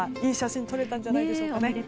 いい写真撮れたんじゃないでしょうかね。